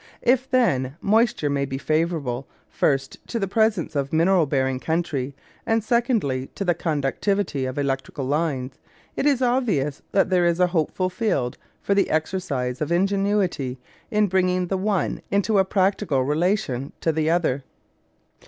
If, then, moisture be favourable, first to the presence of mineral bearing country and secondly to the conductivity of electrical lines, it is obvious that there is a hopeful field for the exercise of ingenuity in bringing the one into a practical relation to the other.